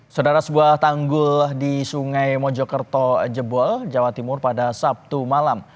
saudara sebuah tanggul di sungai mojokerto jebol jawa timur pada sabtu malam